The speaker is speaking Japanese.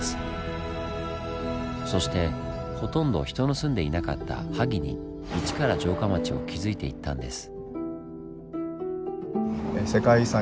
そしてほとんど人の住んでいなかった萩に一から城下町を築いていったんです。